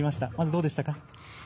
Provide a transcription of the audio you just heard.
どうでしたか？